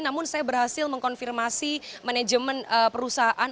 namun saya berhasil mengkonfirmasi manajemen perusahaan